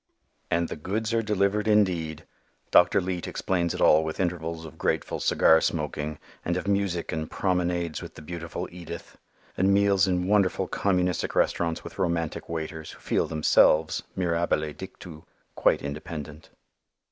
And the goods are delivered indeed! Dr. Leete explains it all with intervals of grateful cigar smoking and of music and promenades with the beautiful Edith, and meals in wonderful communistic restaurants with romantic waiters, who feel themselves, mirabile dictu, quite independent.